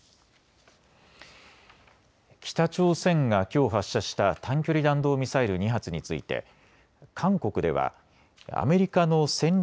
北朝鮮がきょう発射した短距離弾道ミサイル２発について韓国ではアメリカの戦略